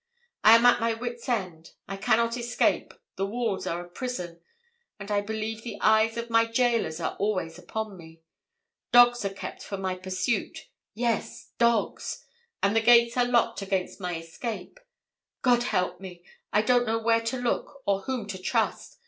I am at my wits' ends. I cannot escape the walls are a prison; and I believe the eyes of my gaolers are always upon me. Dogs are kept for pursuit yes, dogs! and the gates are locked against my escape. God help me! I don't know where to look, or whom to trust.